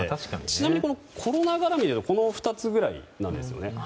ちなみにコロナ絡みでいうとこの２つぐらいなんですよね。